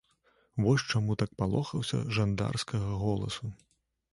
Вось чаму так палохаўся жандарскага голасу.